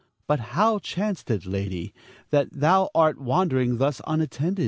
But how chanced it, lady, that thou art wandering thus unattended?